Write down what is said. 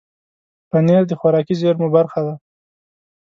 پنېر د خوراکي زېرمو برخه ده.